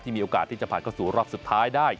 มีโอกาสที่จะผ่านเข้าสู่รอบสุดท้ายได้